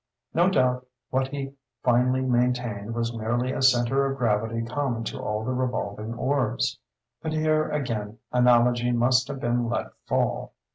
No doubt what he finally maintained was merely a centre of gravity common to all the revolving orbs—but here again analogy must have been let fall.